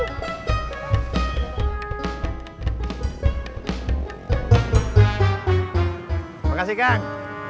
terima kasih kang